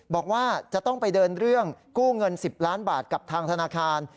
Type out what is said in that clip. บอกว่าจะต้องไปเดินเรื่องกู้เงิน๑๐ล้านบาทกับทางธนาคาร